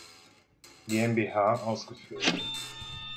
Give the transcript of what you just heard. GmbH" ausgeführt.